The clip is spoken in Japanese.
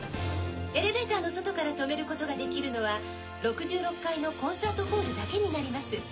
エレベーターの外から止めることができるのは６６階のコンサートホールだけになります。